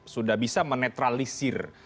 sudah bisa menetralisir